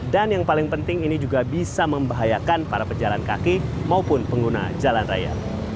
dan yang paling penting ini juga bisa membahayakan para pejalan kaki maupun pengguna jalan raya